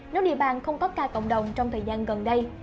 nếu địa bàn không có ca cộng đồng trong thời gian gần đây